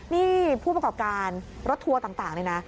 นี่ผู้ประกอบการรถทัวร์ต่างเลยนะ